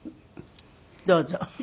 どうぞ。